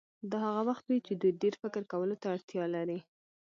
دا هغه وخت وي چې دوی ډېر فکر کولو ته اړتیا لري.